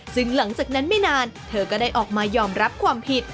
ซึ่งหลังจากนั้นไม่นานเธอก็ได้ออกมายอมรับความผิด